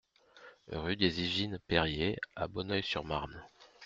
Rue des Usines Périer à Bonneuil-sur-Marne